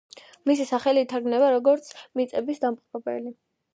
მისი სახელი ითარგმნება, როგორც „მიწების დამპყრობელი“.